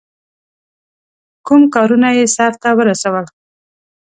کوم کارونه یې سرته ورسول.